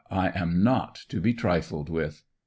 I am not to be trifled with!"